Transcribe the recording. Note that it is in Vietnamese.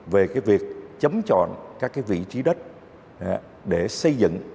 về việc chấm tròn các vị trí đất để xây dựng